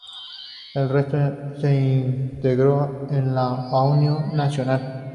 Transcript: El resto se integró en la "União Nacional".